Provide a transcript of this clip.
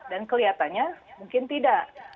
dan kelihatannya mungkin tidak